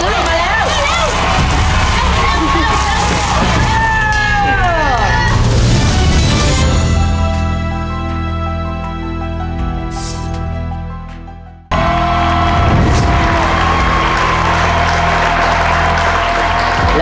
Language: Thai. เร็วเร็วเร็ว